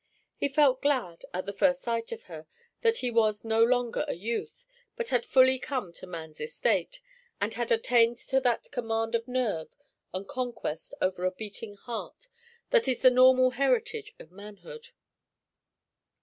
He felt glad, at the first sight of her, that he was no longer a youth but had fully come to man's estate, and had attained to that command of nerve and conquest over a beating heart that is the normal heritage of manhood.